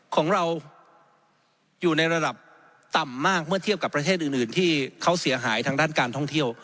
ของเราอยู่ในระดับต่ำมากเมื่อเทียบกับประเทศอื่นที่เขาเสียหายทางด้านการท่องเที่ยว